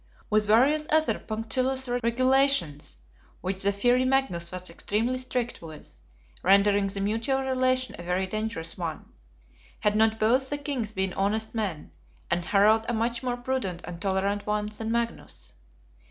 With various other punctilious regulations; which the fiery Magnus was extremely strict with; rendering the mutual relation a very dangerous one, had not both the Kings been honest men, and Harald a much more prudent and tolerant one than Magnus.